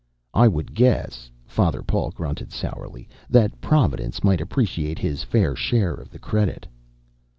"I would guess," Father Paul grunted sourly, "that Providence might appreciate His fair share of the credit."